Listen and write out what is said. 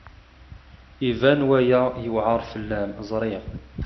Iban waya yewɛeṛ fell-am, ẓriɣ.